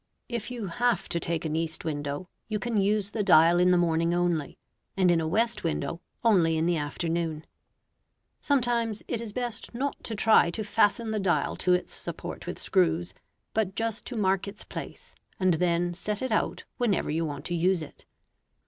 If you have to take an east window, you can use the dial in the morning only, and in a west window only in the afternoon. Sometimes it is best not to try to fasten the dial to its support with screws, but just to mark its place, and then set it out whenever you want to use it.